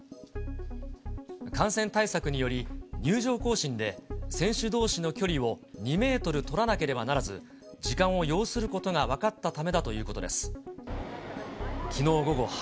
感染対策により、入場行進で、選手どうしの距離を２メートル取らなければならず、時間を要することが分かったためだということです。